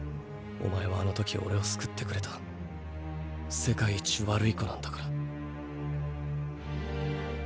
お前はあの時オレを救ってくれた世界一悪い子なんだから。